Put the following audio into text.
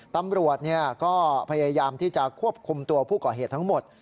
ตำรวจก็พยายามที่จะควบคุมตัวผู้ก่อเหตุทั้งหมด